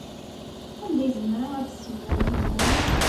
Anda ay zemreɣ ad ssiwleɣ yid-wen?